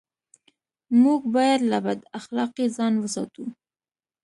موږ بايد له بد اخلاقۍ ځان و ساتو.